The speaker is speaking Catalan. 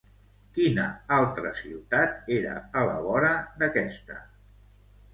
Quina altra ciutat era a la vora d'aquesta?